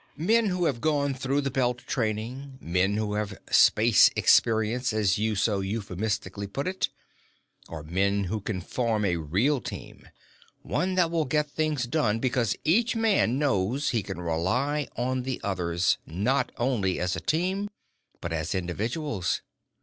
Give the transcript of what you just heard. Men who have gone through the Belt training program, men who have "space experience," as you so euphemistically put it, are men who can form a real team, one that will get things done because each man knows he can rely on the others, not only as a team, but as individuals.